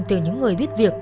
từ những người biết việc